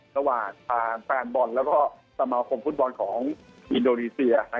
ระหว่างทางแฟนบอลแล้วก็สมาคมฟุตบอลของอินโดนีเซีย